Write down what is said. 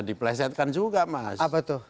diplesetkan juga mas apa tuh